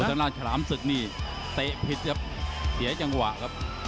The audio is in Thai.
โดนด้านขรามศึกนี่เตะผิดครับเสียจังหวะครับ